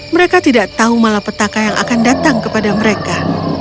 mereka tidak tahu malapetaka yang akan datang kepada mereka